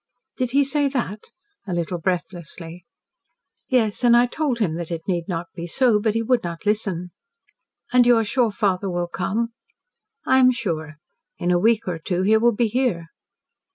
"Did he say that?" a little breathlessly. "Yes, and I told him that it need not be so. But he would not listen." "And you are sure father will come?" "I am sure. In a week or two he will be here."